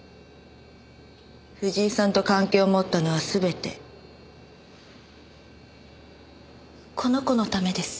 藤井さんと関係を持ったのは全てこの子のためです。